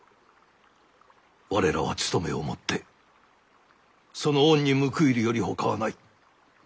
我らはつとめをもってその恩に報いるよりほかはない。